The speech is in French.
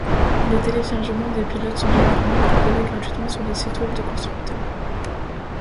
Les téléchargements des pilotes sont généralement proposés gratuitement sur les sites web des constructeurs.